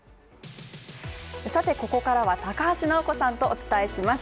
ここからは高橋尚子さんとお伝えします